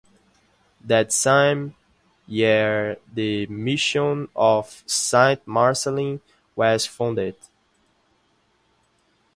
That same year the Mission of Saint-Marcellin was founded.